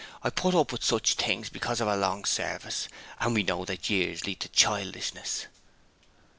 I put up with such things because of her long service, and we know that years lead to childishness.'